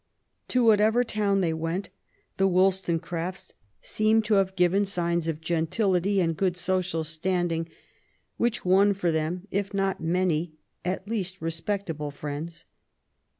To whatever town they went, the WoUstonecrafts seem to have given signs of gentility and good social standing, which won for them, if not many at least respectable friends.